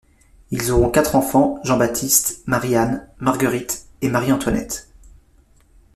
Ils auront quatre enfants, Jean-Baptiste, Marie-Anne, Marguerite et Marie-Antoinette.